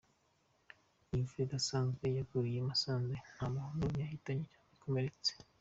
Iyi mvura idasanzwe yaguye i Musanze nta muntu n’umwe yahitanye cyangwa ikomeretse.